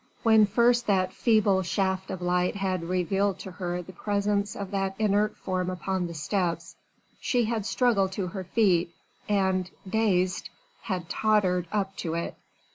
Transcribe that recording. When first that feeble shaft of light had revealed to her the presence of that inert form upon the steps, she had struggled to her feet and dazed had tottered up to it.